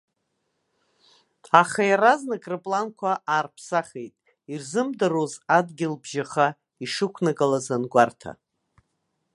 Аха, иаразнак рыпланқәа аарԥсахит, ирзымдыруаз адгьыл-бжьаха ишықәнагалаз ангәарҭа.